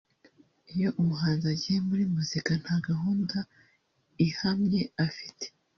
Iyo umuhanzi agiye muri muzika nta gahunda ihamye afite